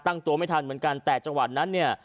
ตั้งตัวไม่ทันเหมือนกันแต่จังหวัดนั้นเนี่ย